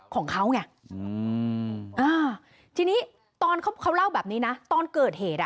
ของเขาไงอืมอ่าทีนี้ตอนเขาเขาเล่าแบบนี้นะตอนเกิดเหตุอ่ะ